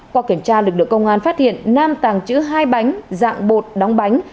qua kiểm tra lực lượng công an phát hiện nam tàng trữ hai bánh dạng bột đóng bánh